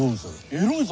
エロいぞ。